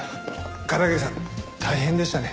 片桐さん大変でしたね